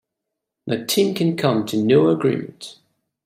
The team can come to no agreement.